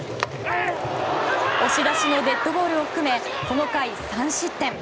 押し出しのデッドボールを含めこの回３失点。